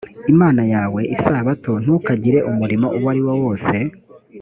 imana yawe isabato c ntukagire umurimo uwo ari wo wose